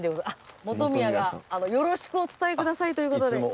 本宮がよろしくお伝えくださいという事で。